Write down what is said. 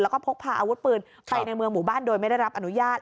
แล้วก็พกพาอาวุธปืนไปในเมืองหมู่บ้านโดยไม่ได้รับอนุญาต